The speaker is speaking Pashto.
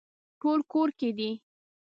ټول کور کې دي